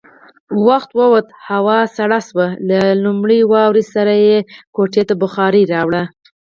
وخت ووت، هوا سړه شوه، له لومړۍ واورې سره يې کوټې ته بخارۍ راوړه.